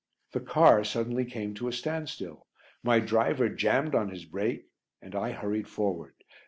The car suddenly came to a standstill; my driver jammed on his brake and I hurried forward.